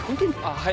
はい。